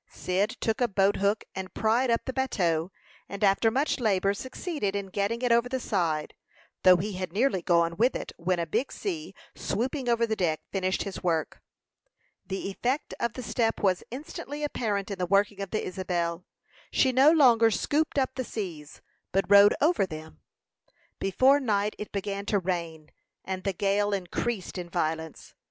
Cyd took a boat hook, and pried up the bateau, and after much labor succeeded in getting it over the side, though he had nearly gone with it, when a big sea, swooping over the deck, finished his work. The effect of the step was instantly apparent in the working of the Isabel. She no longer scooped up the seas, but rode over them. Before night it began to rain, and the gale increased in violence.